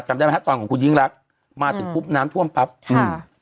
จำได้ไหมฮะตอนของคุณยิ่งรักมาถึงปุ๊บน้ำท่วมปั๊บอืม